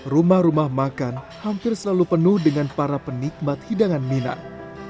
rumah rumah makan hampir selalu penuh dengan para penikmat hidangan minang